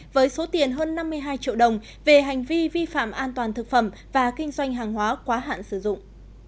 với số tiền hơn năm mươi hai triệu đồng về hành vi vi phạm an toàn thực phẩm và kinh doanh hàng hóa quá hạn sử dụng